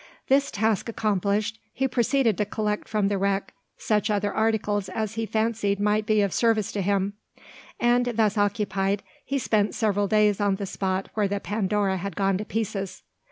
This task accomplished, he proceeded to collect from the wreck such other articles as he fancied might be of service to him; and, thus occupied, he spent several days on the spot where the Pandora had gone to pieces.